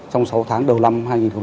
trong sáu tháng đầu năm hai nghìn hai mươi